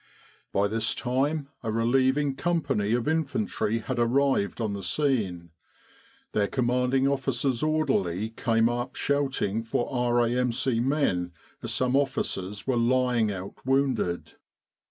"* By this time a relieving company of infantry had arrived on the scene. Their C.O.'s orderly came up shouting for R.A.M.C. men as some officers were lying out wounded.